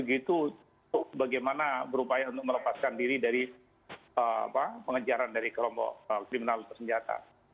itu bagaimana berupaya untuk melepaskan diri dari pengejaran dari kelompok kriminal bersenjata